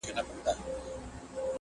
بریالی له هر میدانi را وتلی!!